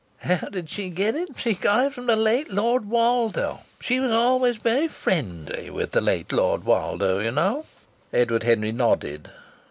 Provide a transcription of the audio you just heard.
"How did she get it? She got it from the late Lord Woldo. She was always very friendly with the late Lord Woldo, you know." Edward Henry nodded.